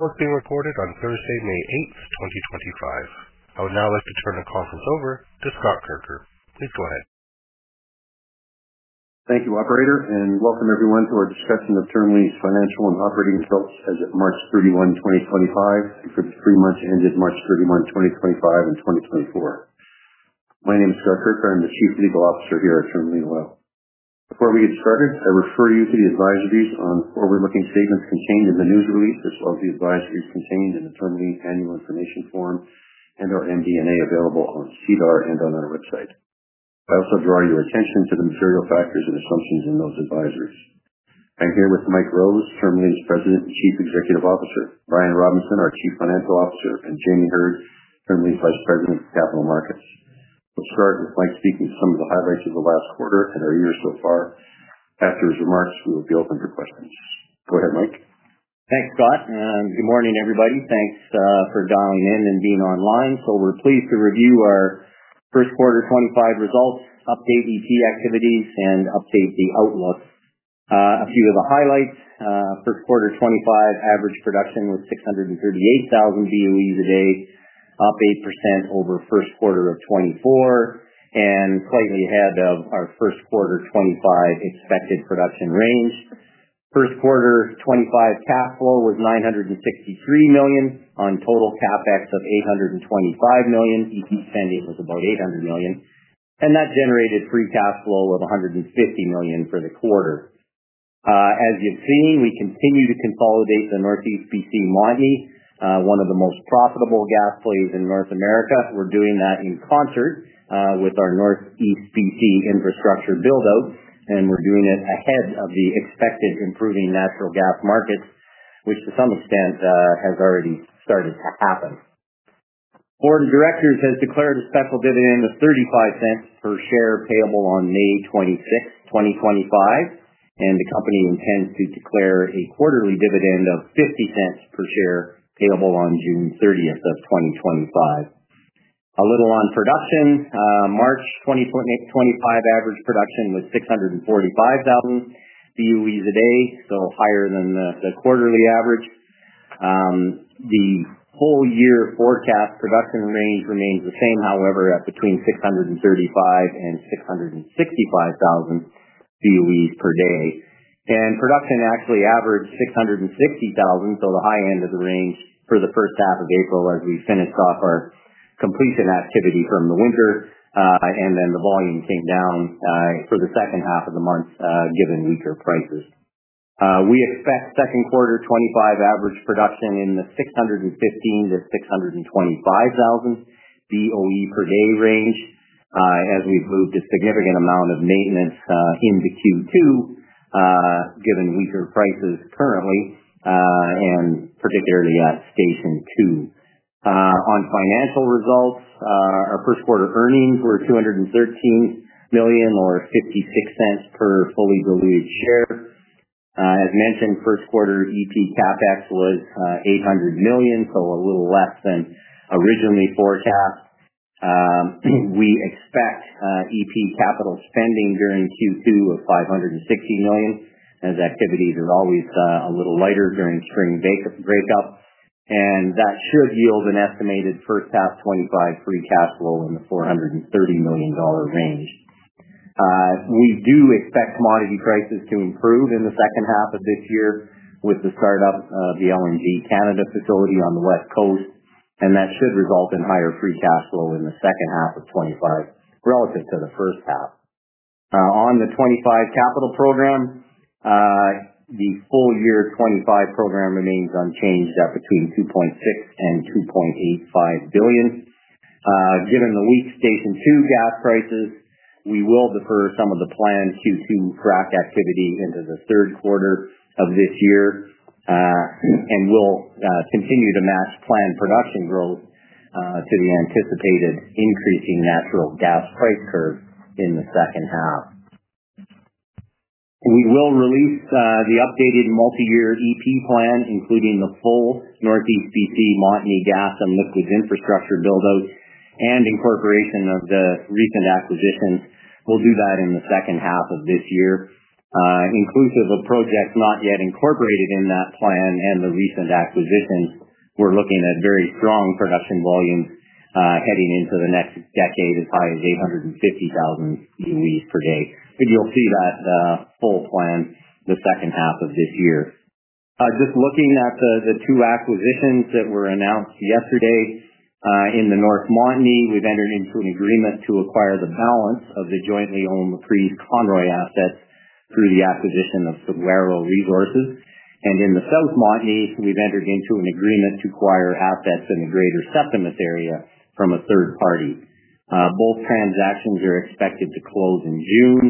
Recording recorded on Thursday, May 8th, 2025. I would now like to turn the conference over to Scott Kirker. Please go ahead. Thank you, Operator, and welcome everyone to our discussion of Tourmaline's financial and operating results as of March 31, 2025, and for the three months ended March 31, 2025, and 2024. My name is Scott Kirker. I'm the Chief Legal Officer here at Tourmaline Oil. Before we get started, I refer you to the advisories on forward-looking statements contained in the news release, as well as the advisories contained in the Tourmaline Annual Information Form and our MD&A available on SEDAR+ and on our website. I also draw your attention to the material factors and assumptions in those advisories. I'm here with Mike Rose, Tourmaline's President and Chief Executive Officer, Brian Robinson, our Chief Financial Officer, and Jamie Heard, Tourmaline's Vice President for Capital Markets. We'll start with Mike speaking to some of the highlights of the last quarter and our year so far. After his remarks, we will be open for questions. Go ahead, Mike. Thanks, Scott. Good morning, everybody. Thanks for dialing in and being online. We are pleased to review our Q1 2025 results, update EP activities, and update the outlook. A few of the highlights: first quarter 2025 average production was 638,000 BOEs a day, up 8% over first quarter of 2024, and slightly ahead of our Q1 2025 expected production range. Q1 2025 cash flow was 963 million on total Capex of 825 million. EP spending was about 800 million, and that generated free cash flow of 150 million for the quarter. As you have seen, we continue to consolidate the Northeast BC Montney, one of the most profitable gas plays in North America. We are doing that in concert with our Northeast BC infrastructure build-out, and we are doing it ahead of the expected improving natural gas markets, which to some extent has already started to happen. Board of Directors has declared a special dividend of 0.35 per share payable on May 26, 2025, and the company intends to declare a quarterly dividend of 0.50 per share payable on June 30th of 2025. A little on production: March 2025 average production was 645,000 BOEs a day, so higher than the quarterly average. The full-year forecast production range remains the same, however, at between 635,000 and 665,000 BOEs per day. Production actually averaged 660,000, so the high end of the range for the first half of April as we finished off our completion activity from the winter, and then the volume came down for the second half of the month given weaker prices. We expect second quarter 2025 average production in the 615,000-625,000 BOE per day range as we've moved a significant amount of maintenance into Q2 given weaker prices currently, and particularly at Station 2. On financial results, our first quarter earnings were CAD 0.213056 per fully diluted share. As mentioned, first quarter EP Capex was 800 million, so a little less than originally forecast. We expect EP capital spending during Q2 of 560 million, as activities are always a little lighter during spring breakup, and that should yield an estimated first half 2025 free cash flow in the 430 million dollar range. We do expect commodity prices to improve in the second half of this year with the startup of the LNG Canada facility on the West Coast, and that should result in higher free cash flow in the second half of 2025 relative to the first half. On the 2025 capital program, the full-year 2025 program remains unchanged at between 2.6 billion and 2.85 billion. Given the weak Station 2 gas prices, we will defer some of the planned Q2 frac activity into the third quarter of this year and will continue to match planned production growth to the anticipated increasing natural gas price curve in the second half. We will release the updated multi-year EP plan, including the full Northeast BC Montney gas and liquids infrastructure build-out and incorporation of the recent acquisitions. We'll do that in the second half of this year. Inclusive of projects not yet incorporated in that plan and the recent acquisitions, we're looking at very strong production volumes heading into the next decade as high as 850,000 BOEs per day. But you'll see that full plan the second half of this year. Just looking at the two acquisitions that were announced yesterday, in the North Montney, we've entered into an agreement to acquire the balance of the jointly owned Laprise-Conroy assets through the acquisition of Saguaro Resources. In the South Montney, we've entered into an agreement to acquire assets in the greater Septimus area from a third party. Both transactions are expected to close in June.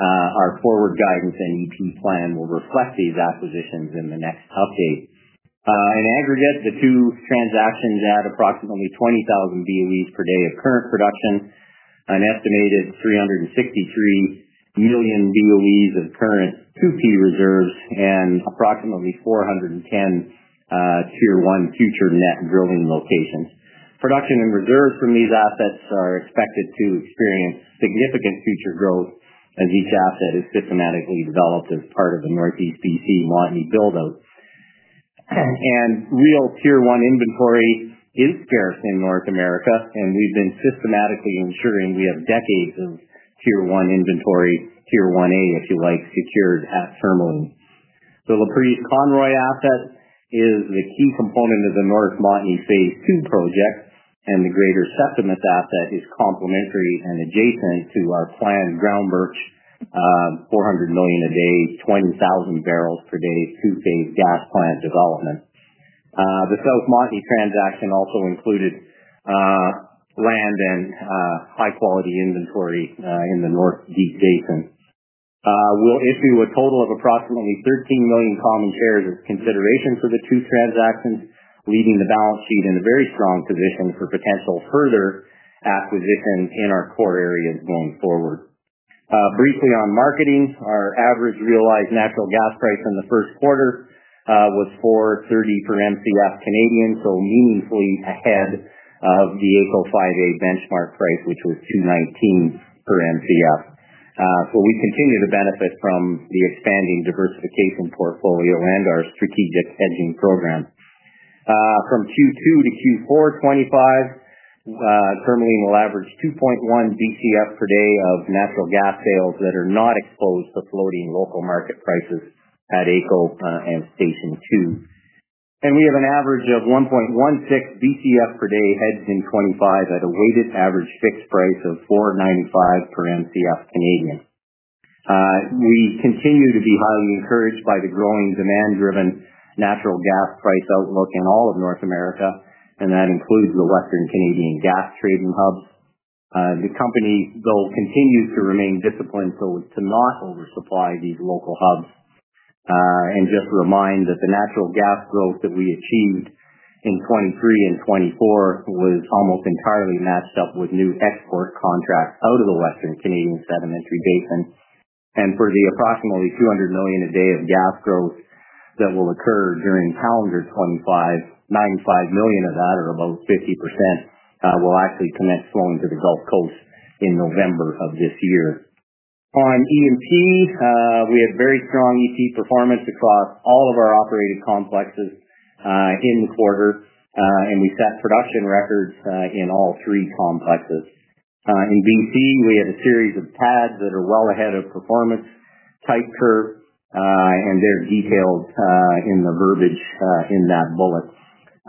Our forward guidance and EP plan will reflect these acquisitions in the next update. In aggregate, the two transactions add approximately 20,000 BOEs per day of current production, an estimated 363 million BOEs of current 2P reserves, and approximately 410 Tier 1 future net drilling locations. Production and reserves from these assets are expected to experience significant future growth as each asset is systematically developed as part of the Northeast BC Montney build-out. Real Tier 1 inventory is scarce in North America, and we've been systematically ensuring we have decades of Tier 1 inventory, Tier 1A, if you like, secured at Tourmaline. The Laprise-Conroy asset is the key component of the North Montney Phase Two project, and the Greater Septimus asset is complementary and adjacent to our planned Groundbirch 400 million a day, 20,000 barrels per day two-phase gas plant development. The South Montney transaction also included land and high-quality inventory in the North Deep Basin. We'll issue a total of approximately 13 million common shares as consideration for the two transactions, leaving the balance sheet in a very strong position for potential further acquisitions in our core areas going forward. Briefly on marketing, our average realized natural gas price in the first quarter was 430 per MCF, so meaningfully ahead of the AECO 5A benchmark price, which was 219 per MCF, so we continue to benefit from the expanding diversification portfolio and our strategic hedging program. From Q2 to Q4 2025, Tourmaline will average 2.1 BCF per day of natural gas sales that are not exposed to floating local market prices at AECO and Station 2, and we have an average of 1.16 BCF per day hedged in 2025 at a weighted average fixed price of 495 per MCF. We continue to be highly encouraged by the growing demand-driven natural gas price outlook in all of North America, and that includes the Western Canadian gas trading hubs. The company, though, continues to remain disciplined so as to not oversupply these local hubs and just remind that the natural gas growth that we achieved in 2023 and 2024 was almost entirely matched up with new export contracts out of the Western Canadian Sedimentary Basin. And for the approximately 200 million a day of gas growth that will occur during calendar 2025, 95 million of that, or about 50%, will actually commence flowing to the Gulf Coast in November of this year. On EMP, we had very strong EP performance across all of our operated complexes in the quarter, and we set production records in all three complexes. In BC, we had a series of pads that are well ahead of performance, type curve, and they're detailed in the verbiage in that bullet.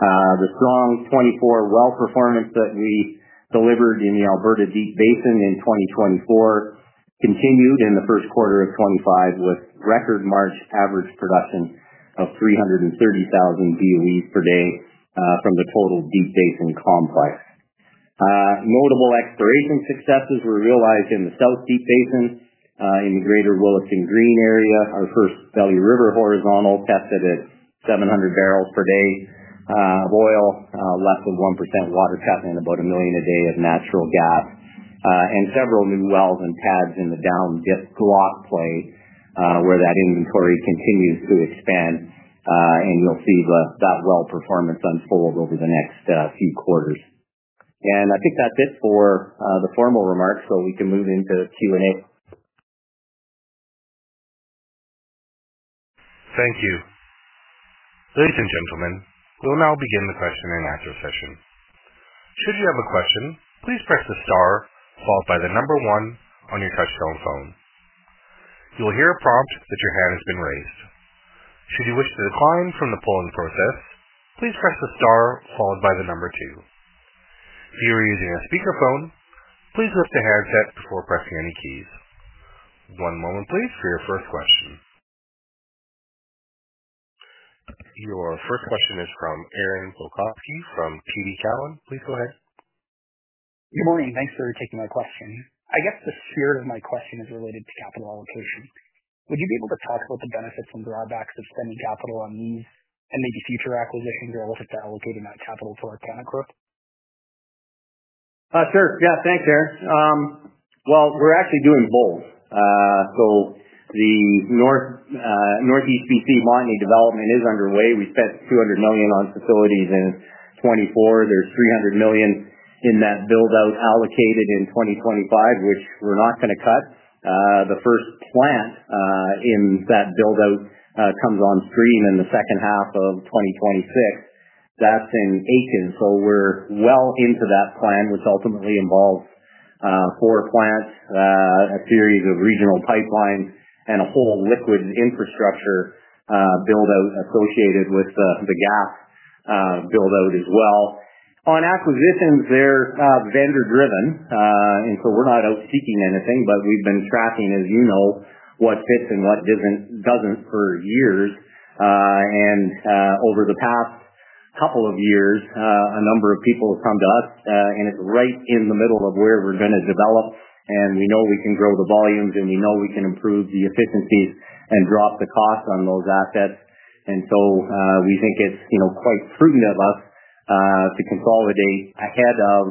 The strong 2024 well performance that we delivered in the Alberta Deep Basin in 2024 continued in the first quarter of 2025 with record March average production of 330,000 BOEs per day from the total Deep Basin complex. Notable exploration successes were realized in the South Deep Basin in the greater Willesden Green area. Our first Belly River horizontal tested at 700 barrels per day of oil, less than 1% water cut, and about a million a day of natural gas, and several new wells and pads in the Down Dip Glock play where that inventory continues to expand. And you'll see that well performance unfold over the next few quarters. And I think that's it for the formal remarks, so we can move into Q&A. Thank you. Ladies and gentlemen, we'll now begin the question and answer session. Should you have a question, please press the star followed by the number one on your touch-tone phone. You'll hear a prompt that your hand has been raised. Should you wish to decline from the polling process, please press the star followed by the number two. If you are using a speakerphone, please lift the handset before pressing any keys. One moment, please, for your first question. Your first question is from Aaron Bilkoski from TD Cowen. Please go ahead. Good morning. Thanks for taking my question. I guess the spirit of my question is related to capital allocation. Would you be able to talk about the benefits and drawbacks of spending capital on these and maybe future acquisitions relative to allocating that capital to our organic growth? Sure. Yeah. Thanks, Aaron. Well, we're actually doing both. So the Northeast BC Montney development is underway. We spent 200 million on facilities in 2024. There's 300 million in that build-out allocated in 2025, which we're not going to cut. The first plant in that build-out comes on stream in the second half of 2026. That's in Aiken. So we're well into that plan, which ultimately involves four plants, a series of regional pipelines, and a whole liquid infrastructure build-out associated with the gas build-out as well. On acquisitions, they're vendor-driven, and so we're not out seeking anything, but we've been tracking, as you know, what fits and what doesn't for years. And over the past couple of years, a number of people have come to us, and it's right in the middle of where we're going to develop, and we know we can grow the volumes, and we know we can improve the efficiencies and drop the cost on those assets. And so we think it's quite prudent of us to consolidate ahead of,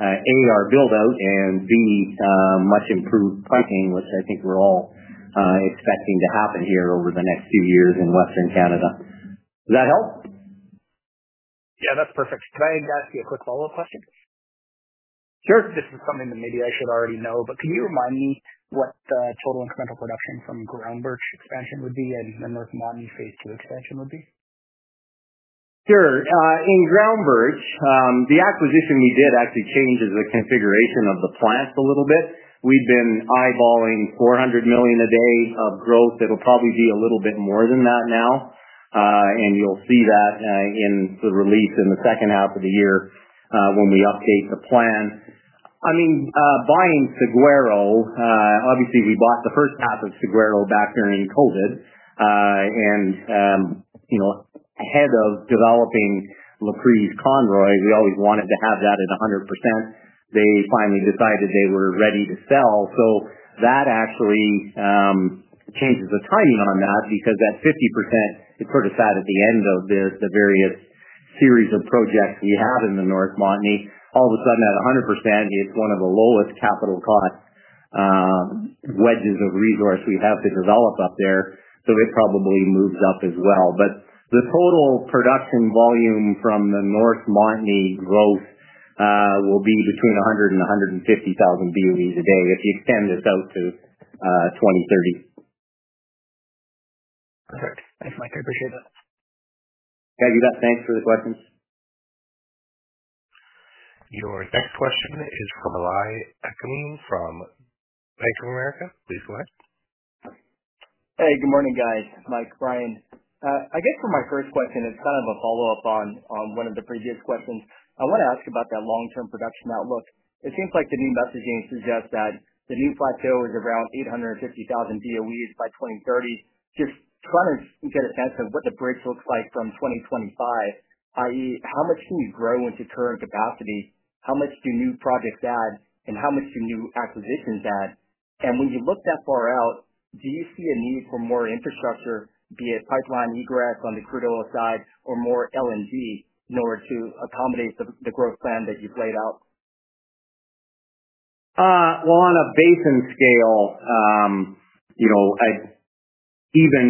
A, our build-out, and, B, much improved pricing, which I think we're all expecting to happen here over the next few years in Western Canada. Does that help? Yeah, that's perfect. Can I ask you a quick follow-up question? Sure. This is something that maybe I should already know, but can you remind me what the total incremental production from Groundbirch expansion would be and the North Montney Phase Two expansion would be? Sure. In Groundbirch, the acquisition we did actually changes the configuration of the plants a little bit. We've been eyeballing 400 million a day of growth. It'll probably be a little bit more than that now, and you'll see that in the release in the second half of the year when we update the plan. I mean, buying Saguaro, obviously, we bought the first half of Saguaro back during COVID, and ahead of developing Laprise-Conroy, we always wanted to have that at 100%. They finally decided they were ready to sell, so that actually changes the timing on that because that 50%, it's sort of sat at the end of the various series of projects we have in the North Montney. All of a sudden, at 100%, it's one of the lowest capital cost wedges of resource we have to develop up there. So it probably moves up as well. The total production volume from the North Montney growth will be between 100 and 150,000 BOEs a day if you extend this out to 2030. Perfect. Thanks, Mike. I appreciate that. Yeah, you bet. Thanks for the questions. Your next question is from Eli Echeme from Bank of America. Please go ahead. Hey, good morning, guys. Mike, Brian. I guess for my first question, it's kind of a follow-up on one of the previous questions. I want to ask about that long-term production outlook. It seems like the new messaging suggests that the new plateau is around 850,000 BOEs by 2030. Just trying to get a sense of what the bridge looks like from 2025, i.e., how much can you grow into current capacity? How much do new projects add, and how much do new acquisitions add? And when you look that far out, do you see a need for more infrastructure, be it pipeline egress on the crude oil side or more LNG, in order to accommodate the growth plan that you've laid out? On a basin scale, even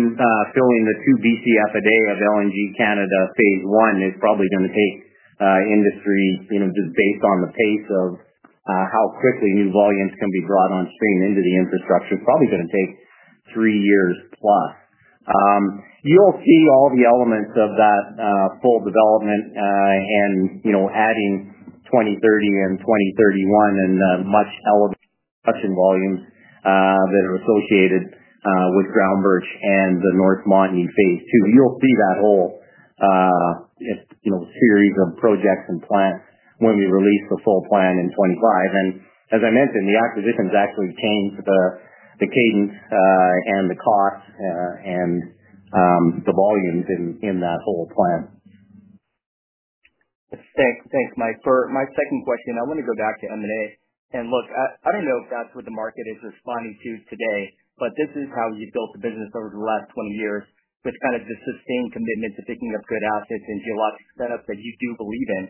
filling the two BCF a day of LNG Canada Phase One is probably going to take industry, just based on the pace of how quickly new volumes can be brought on stream into the infrastructure. It's probably going to take three years plus. You'll see all the elements of that full development and adding 2030 and 2031 and much elevated production volumes that are associated with Groundbirch and the North Montney Phase Two. You'll see that whole series of projects and plants when we release the full plan in 2025. As I mentioned, the acquisitions actually change the cadence and the cost and the volumes in that whole plan. Thanks, Mike. For my second question, I want to go back to M&A. And look, I don't know if that's what the market is responding to today, but this is how you built the business over the last 20 years with kind of the sustained commitment to picking up good assets and geologic setup that you do believe in.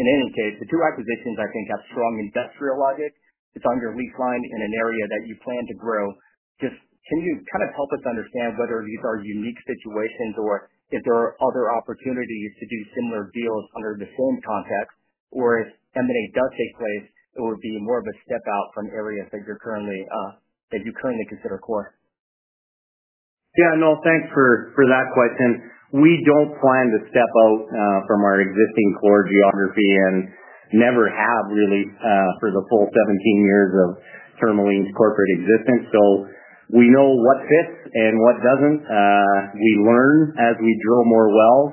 In any case, the two acquisitions, I think, have strong industrial logic. It's on your lease line in an area that you plan to grow. Just can you kind of help us understand whether these are unique situations or if there are other opportunities to do similar deals under the same context, or if M&A does take place, it would be more of a step out from areas that you currently consider core? Yeah. No, thanks for that question. We don't plan to step out from our existing core geography and never have really for the full 17 years of Tourmaline's corporate existence. So we know what fits and what doesn't. We learn as we drill more wells.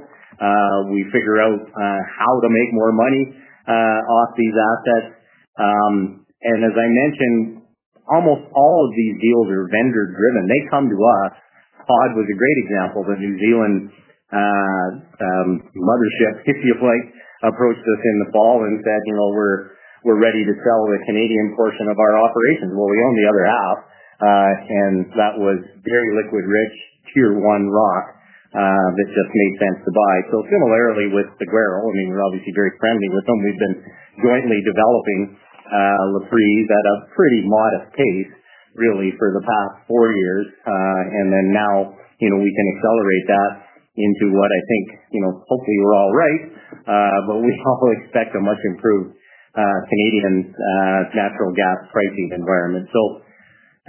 We figure out how to make more money off these assets. And as I mentioned, almost all of these deals are vendor-driven. They come to us. Todd was a great example. The New Zealand mothership, if you like, approached us in the fall and said, "We're ready to sell the Canadian portion of our operations." Well, we own the other half, and that was very liquid-rich Tier 1 rock that just made sense to buy. So similarly with Saguaro, I mean, we're obviously very friendly with them. We've been jointly developing Laprise at a pretty modest pace, really, for the past four years. And then now we can accelerate that into what I think, hopefully, we're all right, but we all expect a much improved Canadian natural gas pricing environment. So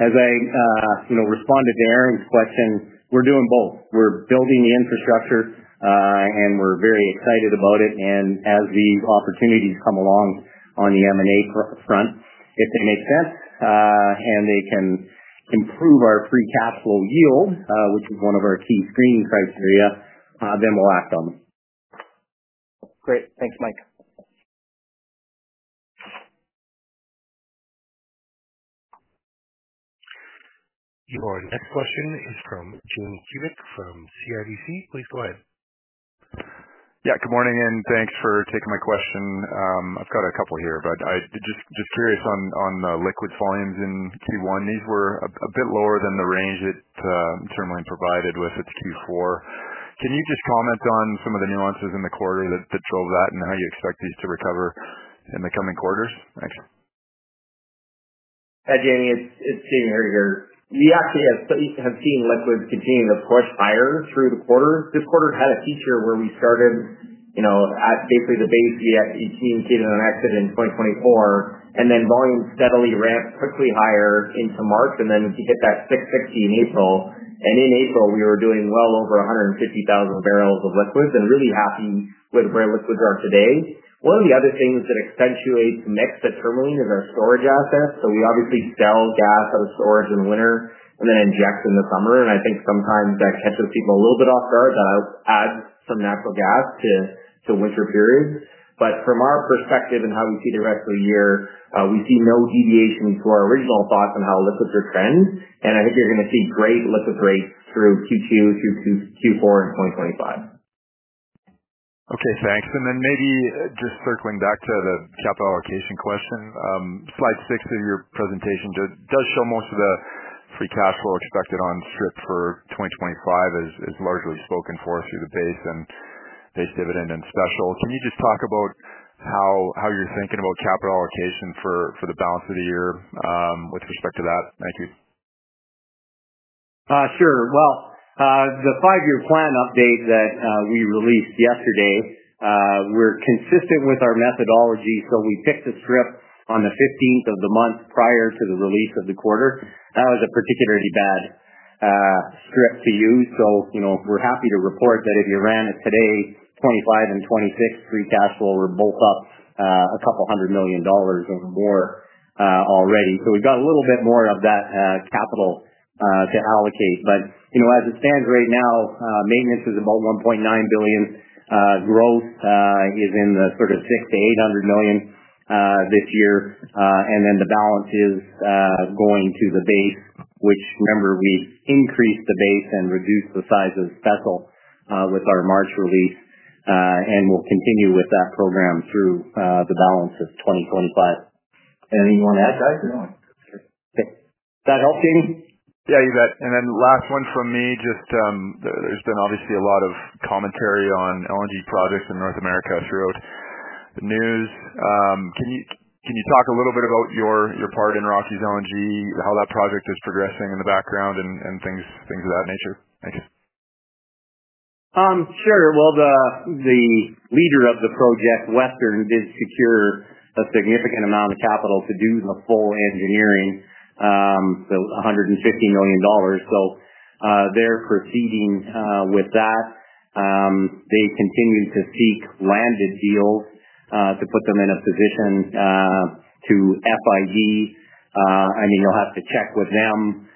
as I responded to Aaron's question, we're doing both. We're building the infrastructure, and we're very excited about it. And as the opportunities come along on the M&A front, if they make sense and they can improve our free capital yield, which is one of our key screening criteria, then we'll act on them. Great. Thanks, Mike. Your next question is from Jamie Kubik from CIBC. Please go ahead. Yeah. Good morning, and thanks for taking my question. I've got a couple here, but just curious on the liquid volumes in Q1. These were a bit lower than the range that Tourmaline provided with its Q4. Can you just comment on some of the nuances in the quarter that drove that and how you expect these to recover in the coming quarters? Thanks. Hi, Jamie. It's Jamie here. We actually have seen liquids continue to push higher through the quarter. This quarter had a feature where we started at basically the base we communicated on exit in 2024, and then volumes steadily ramped quickly higher into March, and then we hit that 660 in April. And in April, we were doing well over 150,000 barrels of liquids and really happy with where liquids are today. One of the other things that accentuates the mix at Tourmaline is our storage assets. So we obviously sell gas out of storage in the winter and then inject in the summer. And I think sometimes that catches people a little bit off guard that I'll add some natural gas to winter periods. But from our perspective and how we see the rest of the year, we see no deviation to our original thoughts on how liquids are trending. And I think you're going to see great liquid rates through Q2, through Q4 in 2025. Okay. Thanks. And then maybe just circling back to the capital allocation question, slide six of your presentation does show most of the free cash flow expected on strip for 2025 is largely spoken for through the base and base dividend and special. Can you just talk about how you're thinking about capital allocation for the balance of the year with respect to that? Thank you. Sure. Well, the five-year plan update that we released yesterday. We're consistent with our methodology. So we picked a strip on the 15th of the month prior to the release of the quarter. That was a particularly bad strip to use. So we're happy to report that if you ran it today, 2025 and 2026 free cash flow were both up 200 million dollars or more already. So we've got a little bit more of that capital to allocate. But as it stands right now, maintenance is about 1.9 billion. Growth is in the sort of 600-800 million this year. And then the balance is going to the base, which, remember, we increased the base and reduced the size of special with our March release. And we'll continue with that program through the balance of 2025. Anything you want to add, guys? That helps, Jamie? Yeah, you bet. And then last one from me. Just there's been obviously a lot of commentary on LNG projects in North America throughout the news. Can you talk a little bit about your part in Rockies LNG, how that project is progressing in the background, and things of that nature? Thanks. Sure. Well, the leader of the project, Western, did secure a significant amount of capital to do the full engineering, so 150 million dollars, so they're proceeding with that. They continue to seek landed deals to put them in a position to FID. I mean, you'll have to check with them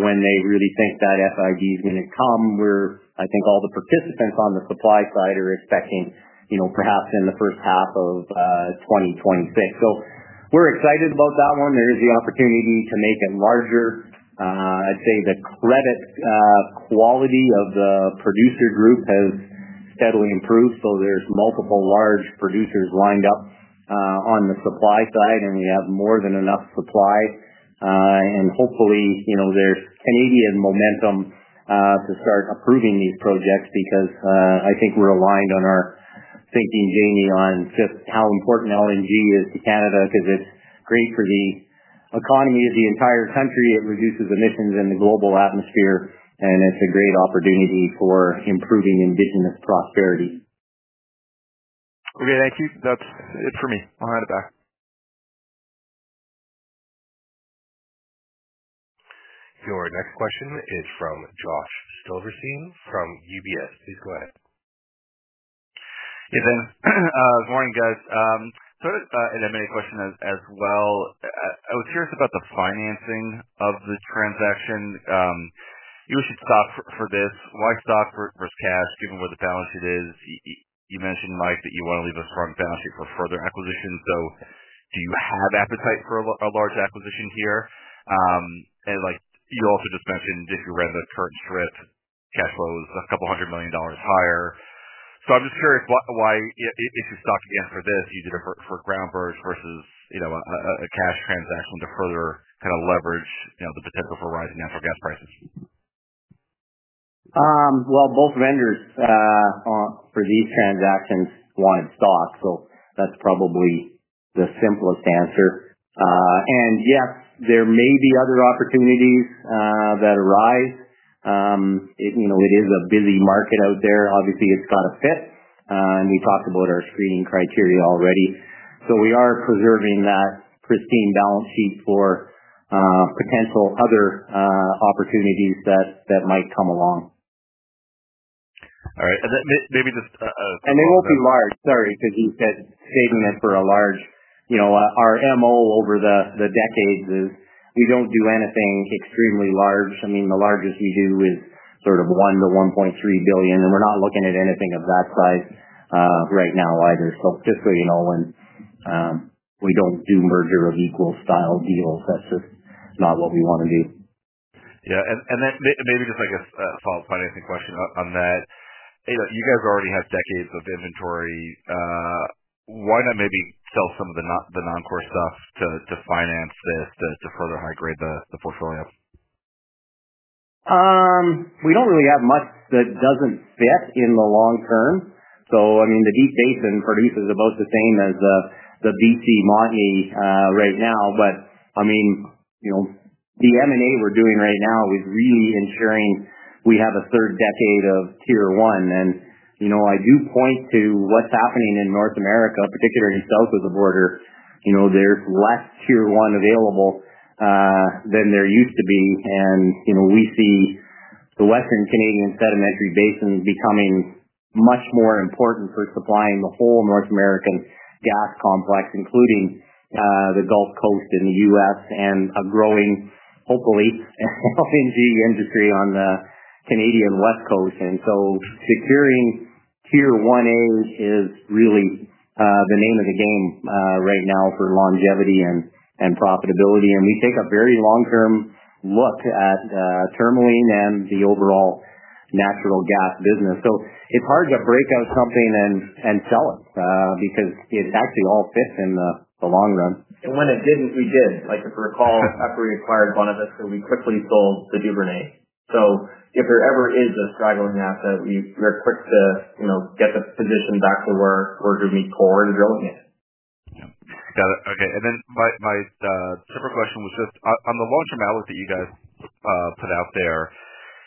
when they really think that FID is going to come, where I think all the participants on the supply side are expecting perhaps in the first half of 2026, so we're excited about that one. There is the opportunity to make it larger. I'd say the credit quality of the producer group has steadily improved, so there's multiple large producers lined up on the supply side, and we have more than enough supply. Hopefully, there's Canadian momentum to start approving these projects because I think we're aligned on our thinking, Jamie, on just how important LNG is to Canada because it's great for the economy of the entire country. It reduces emissions in the global atmosphere, and it's a great opportunity for improving indigenous prosperity. Okay. Thank you. That's it for me. I'll hand it back. Your next question is from Josh Silverstein from UBS. Please go ahead. Hey, Ben. Good morning, guys. Sort of an M&A question as well. I was curious about the financing of the transaction. You used stock for this. Why stock versus cash, given where the balance sheet is? You mentioned, Mike, that you want to leave a strong balance sheet for further acquisitions. So do you have appetite for a large acquisition here? And you also just mentioned if you ran the current strip, cash flow is 200 million dollars higher. So I'm just curious why, if you used stock again for this, you did it for Groundbirch versus a cash transaction to further kind of leverage the potential for rising natural gas prices. Both vendors for these transactions wanted stock. So that's probably the simplest answer. And yes, there may be other opportunities that arise. It is a busy market out there. Obviously, it's got to fit. And we talked about our screening criteria already. So we are preserving that pristine balance sheet for potential other opportunities that might come along. All right. Maybe just a quick question. And they won't be large. Sorry, because you said saving it for a large. Our MO over the decades is we don't do anything extremely large. I mean, the largest we do is sort of 1-1.3 billion. And we're not looking at anything of that size right now either. So just so you know, when we don't do merger of equal style deals, that's just not what we want to do. Yeah. And then maybe just like a follow-up financing question on that. You guys already have decades of inventory. Why not maybe sell some of the non-core stuff to finance this to further high-grade the portfolio? We don't really have much that doesn't fit in the long term. So I mean, the deep basin produces about the same as the BC Montney right now. But I mean, the M&A we're doing right now is really ensuring we have a third decade of Tier 1. And I do point to what's happening in North America, particularly south of the border. There's less Tier 1 available than there used to be. And we see the Western Canadian sedimentary basin becoming much more important for supplying the whole North American gas complex, including the Gulf Coast in the U.S. and a growing, hopefully, LNG industry on the Canadian west coast. And so securing Tier 1A is really the name of the game right now for longevity and profitability. And we take a very long-term look at Tourmaline and the overall natural gas business. So it's hard to break out something and sell it because it actually all fits in the long run. And when it didn't, we did. Like if you recall, when we acquired Bonavista, we quickly sold the Duvernay. So if there ever is a straggling asset, we're quick to get the position back to where we're going to be core and drilling it. Got it. Okay. And then my separate question was just on the long-term outlook that you guys put out there,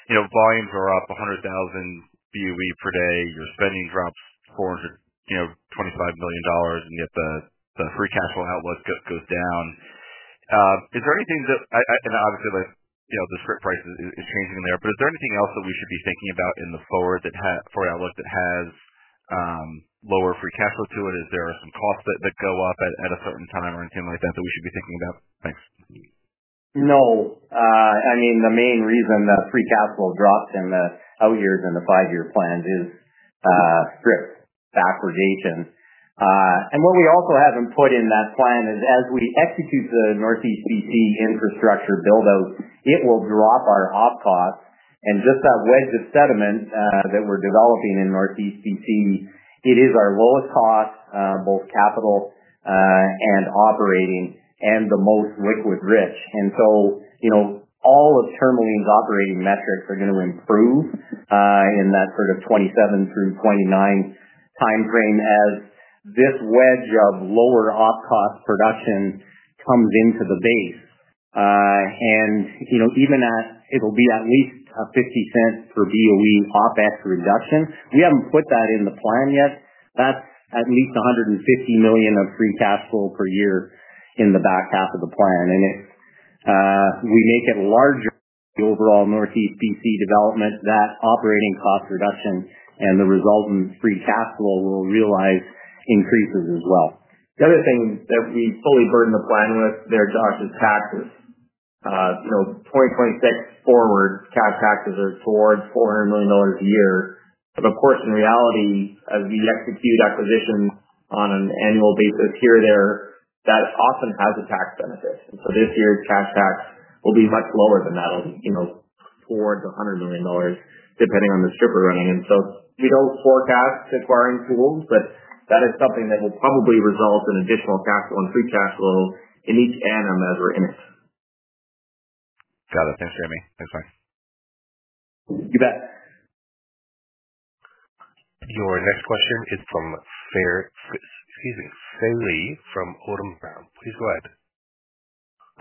volumes are up 100,000 BOE per day. Your spending drops 425 million dollars, and yet the free cash flow outlook goes down. Is there anything that, and obviously, the strip price is changing there, but is there anything else that we should be thinking about in the forward outlook that has lower free cash flow to it? Is there some costs that go up at a certain time or anything like that that we should be thinking about? Thanks. No. I mean, the main reason that free cash flow drops in the out years and the five-year plans is strip backwardation. And what we also haven't put in that plan is as we execute the Northeast BC infrastructure buildout, it will drop our opex costs. And just that wedge of sediment that we're developing in Northeast BC, it is our lowest cost, both capital and operating, and the most liquid-rich. And so all of Tourmaline's operating metrics are going to improve in that sort of 2027 through 2029 timeframe as this wedge of lower opex cost production comes into the base. And even it'll be at least 0.50 per BOE OPEX reduction. We haven't put that in the plan yet. That's at least 150 million of free cash flow per year in the back half of the plan. And if we make it larger, the overall Northeast BC development, that operating cost reduction and the resultant free cash flow will realize increases as well. The other thing that we fully burden the plan with there, Josh, is taxes. 2026 forward, cash taxes are towards 400 million dollars a year. But of course, in reality, as we execute acquisitions on an annual basis here, there, that often has a tax benefit. And so this year's cash tax will be much lower than that, towards 100 million dollars, depending on the strip we're running. And so we don't forecast acquisitions, but that is something that will probably result in additional cash flow and free cash flow in each annum as we're in it. Got it. Thanks, Jamie. Thanks, Mike. You bet. Your next question is from Fai Lee from Odlum Brown. Please go ahead.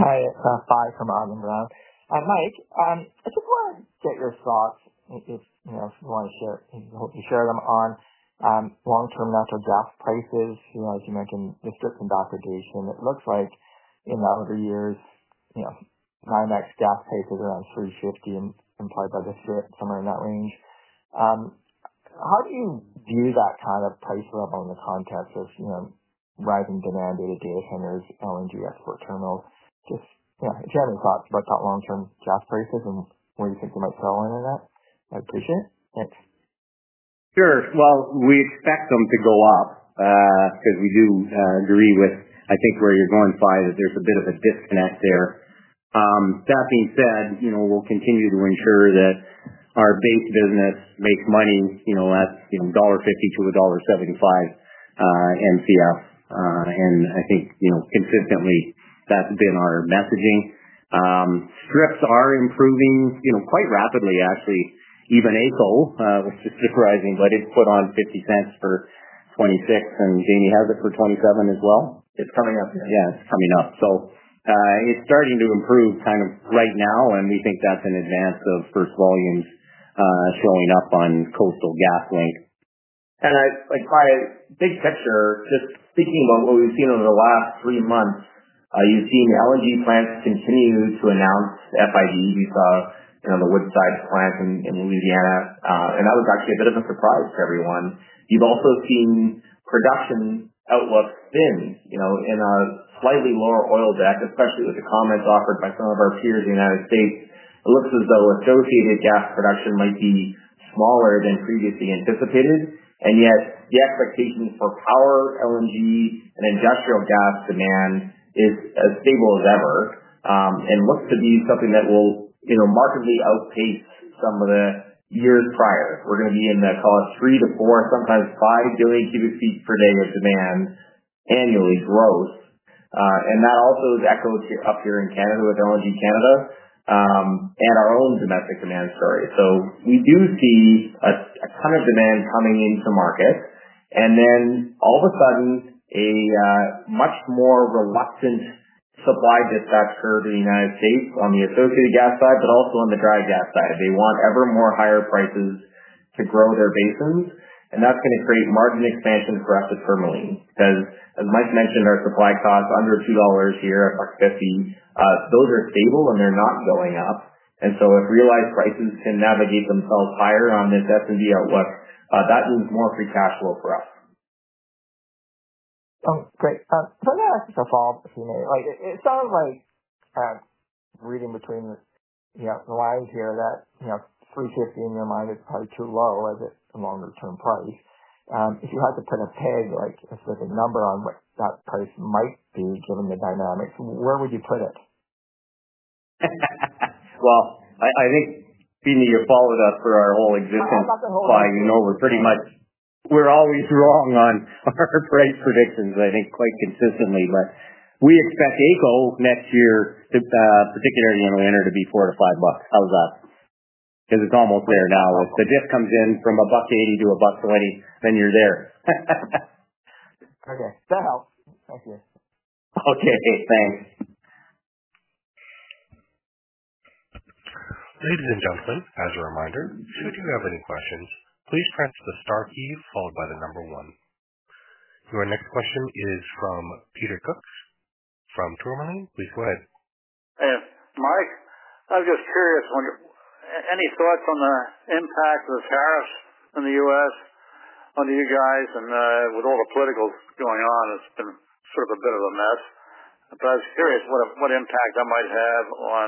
Hi. Hi, from Odlum Brown. Mike, I just want to get your thoughts if you want to share them on long-term natural gas prices. Like you mentioned, the strip and backwardation. It looks like in the out years, next gas prices around $3.50 implied by the strip, somewhere in that range. How do you view that kind of price level in the context of rising demand at the data centers, LNG export terminals? Just if you have any thoughts about that long-term gas prices and where you think you might sell in that, I'd appreciate it. Thanks. Sure. We expect them to go up because we do agree with, I think, where you're going by that there's a bit of a disconnect there. That being said, we'll continue to ensure that our base business makes money at 1.50-1.75 dollar MCF. And I think consistently that's been our messaging. Strips are improving quite rapidly, actually. Even AECO, which is surprising, but it's put on 0.50 for 2026, and Jamie has it for 2027 as well. It's coming up there. Yeah, it's coming up. So it's starting to improve kind of right now, and we think that's in advance of first volumes showing up on Coastal GasLink. And by big picture, just speaking about what we've seen over the last three months, you've seen LNG plants continue to announce FID. We saw the Woodside plant in Louisiana. And that was actually a bit of a surprise to everyone. You've also seen production outlook thin in a slightly lower oil deck, especially with the comments offered by some of our peers in the United States. It looks as though associated gas production might be smaller than previously anticipated. And yet the expectation for power, LNG, and industrial gas demand is as stable as ever and looks to be something that will markedly outpace some of the years prior. We're going to be in the, call it, three to four, sometimes five billion cubic feet per day of demand annually gross. And that also echoes up here in Canada with LNG Canada and our own domestic demand story. So we do see a ton of demand coming into market. And then all of a sudden, a much more reluctant supply dispatch curve in the United States on the associated gas side, but also on the dry gas side. They want ever more higher prices to grow their basins. And that's going to create margin expansion for us at Tourmaline because, as Mike mentioned, our supply costs under 2 dollars here at 1.50, those are stable and they're not going up. And so if realized prices can navigate themselves higher on this S&D outlook, that means more free cash flow for us. Oh, great. Let me ask a follow-up, if you may. It sounds like reading between the lines here that 350 in your mind is probably too low as a longer-term price. If you had to put a peg, like a specific number on what that price might be given the dynamics, where would you put it? Well, I think, you followed us for our whole existence. Oh, not the whole existence. We're pretty much always wrong on our price predictions, I think, quite consistently. But we expect AECO next year, particularly in the winter, to be 4-5 bucks. How's that? Because it's almost there now. If the dip comes in from 1.80-1.20, then you're there. Okay. That helps. Thank you. Okay. Thanks. Ladies and gentlemen, as a reminder, should you have any questions, please press the star key followed by the number one. Your next question is from Peter Cook from Tourmaline. Please go ahead. Hey, Mike. I was just curious, any thoughts on the impact of this tariff in the U.S. on you guys? And with all the political going on, it's been sort of a bit of a mess. But I was curious what impact that might have on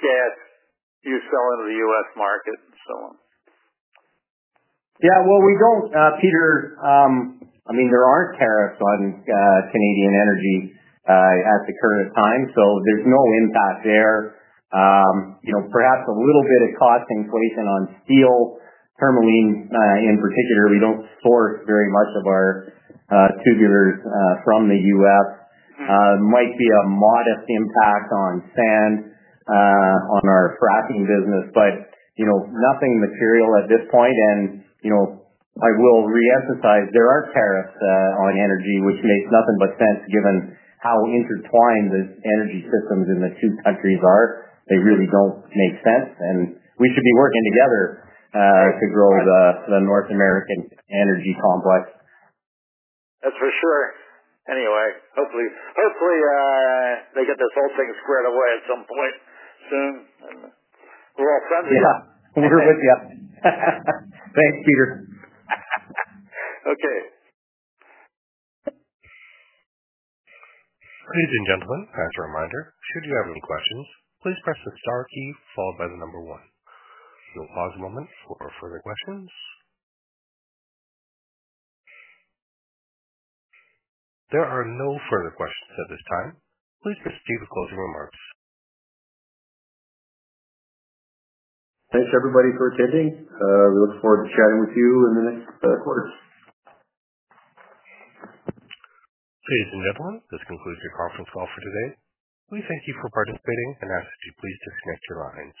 gas you sell into the U.S. market and so on. Yeah, well, we don't, Peter. I mean, there aren't tariffs on Canadian energy at the current time. So there's no impact there. Perhaps a little bit of cost inflation on steel. Tourmaline, in particular, we don't source very much of our tubulars from the U.S. Might be a modest impact on sand, on our fracking business, but nothing material at this point. And I will reemphasize, there aren't tariffs on energy, which makes nothing but sense given how intertwined the energy systems in the two countries are. They really don't make sense. And we should be working together to grow the North American energy complex. That's for sure. Anyway, hopefully they get this whole thing squared away at some point soon. We're all friends again. Yeah. We're with you. Thanks, Peter. Okay. Ladies and gentlemen, as a reminder, should you have any questions, please press the star key followed by the number one. We'll pause a moment for further questions. There are no further questions at this time. Please proceed with closing remarks. Thanks, everybody, for attending. We look forward to chatting with you in the next quarter. Ladies and gentlemen, this concludes your conference call for today. We thank you for participating and ask that you please disconnect your lines.